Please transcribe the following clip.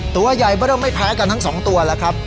ตัวใหญ่เริ่มไม่แพ้กันทั้งสองตัวแล้วครับ